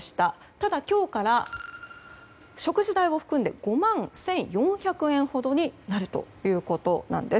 ただ、今日から食事代を含んで５万１４００円ほどになるということなんです。